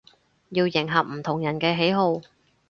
要迎合唔同人嘅喜好